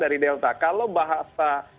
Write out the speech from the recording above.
dari delta kalau bahasa